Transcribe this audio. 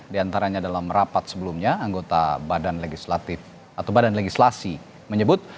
di antaranya dalam rapat sebelumnya anggota badan legislatif atau badan legislasi menyebut